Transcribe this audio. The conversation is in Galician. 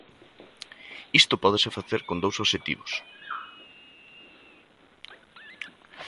Isto pódese facer con dous obxectivos.